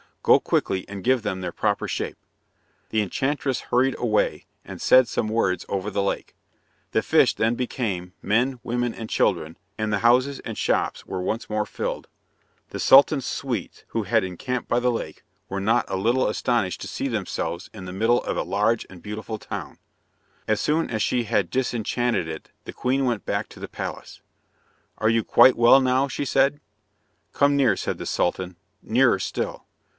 Go quickly, and give them their proper shape." The enchantress hurried away and said some words over the lake. The fish then became men, women, and children, and the houses and shops were once more filled. The Sultan's suite, who had encamped by the lake, were not a little astonished to see themselves in the middle of a large and beautiful town. As soon as she had disenchanted it the queen went back to the palace. "Are you quite well now?" she said. "Come near," said the Sultan. "Nearer still."